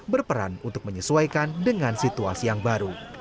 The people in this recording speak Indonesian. berperan untuk menyesuaikan dengan situasi yang baru